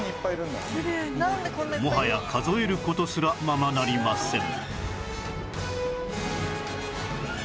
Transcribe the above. もはや数える事すらままなりません